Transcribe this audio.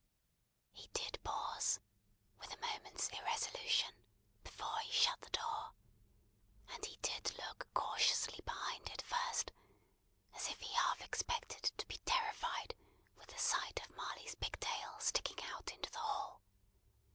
He did pause, with a moment's irresolution, before he shut the door; and he did look cautiously behind it first, as if he half expected to be terrified with the sight of Marley's pigtail sticking out into the hall.